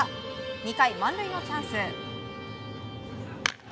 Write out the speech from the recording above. ２回、満塁のチャンス。